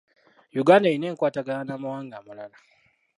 Uganda erina enkwatagana n'amawanga amalala.